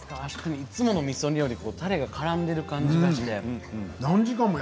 いつものみそ煮よりたれがからんでる感じがする。